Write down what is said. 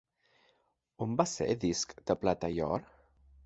On va ser disc de plata i or?